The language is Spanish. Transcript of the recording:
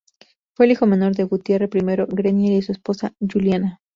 Fue el hijo menor de Gutierre I Grenier y su esposa, Juliana.